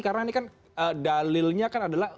karena ini kan dalilnya kan adalah